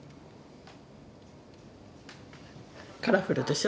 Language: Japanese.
カラフルでしょ。